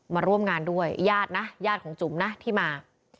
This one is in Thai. มาร่วมงานด้วยญาตินะญาติของจุ๋มนะที่มา